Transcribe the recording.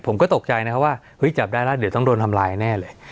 ผมก็ตกใจนะครับว่าเฮ้ยจับได้แล้วเดี๋ยวต้องโดนทำลายแน่เลย